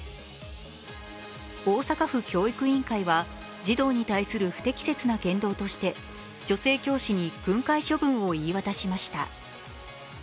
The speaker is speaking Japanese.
大阪府教育委員会は児童に対する不適切な言動として女性教師に訓戒処分を言い渡しました。